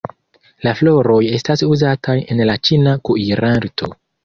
La floroj estas uzataj en la ĉina kuirarto.